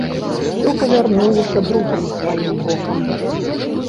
Усё павярнулася другім сваім бокам.